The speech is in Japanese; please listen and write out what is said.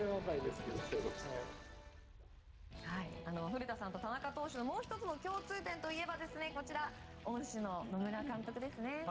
古田さんと田中投手のもう１つの共通点といえば恩師の野村監督ですね。